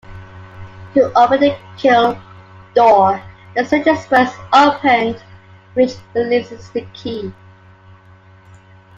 To open the kiln door, the switch is first opened, which releases the key.